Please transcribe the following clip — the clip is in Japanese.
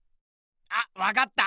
あっわかった！